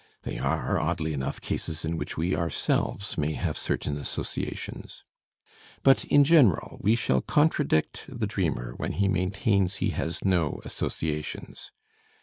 They are, oddly enough, cases in which we ourselves may have certain associations. But in general we shall contradict the dreamer when he maintains he has no associations.